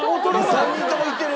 ３人とも行ってる！